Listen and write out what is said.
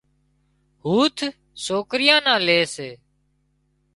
هوٿ سوڪريان نان لي سي